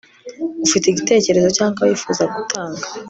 ufite igitekerezo cyangwa wifuza gutanga